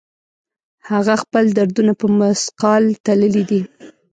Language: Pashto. هغه خپل دردونه په مثقال تللي دي